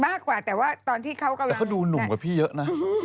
มากกว่าแต่ว่าตอนที่เขากำลังเขาดูหนุ่มกับพี่เยอะนะ